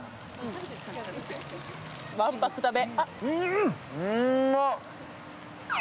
わんぱく食べ。